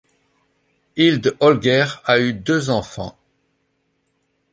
Hilde Holger a eu deux enfants.